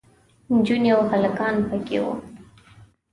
نجونې او هلکان پکې وو.